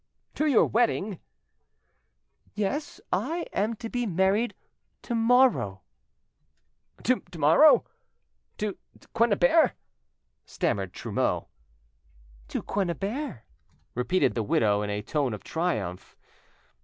"To your wedding?" "Yes; I am to be married to morrow." "To morrow? To Quennebert?" stammered Trumeau. "To Quennebert," repeated the widow in a tone of triumph.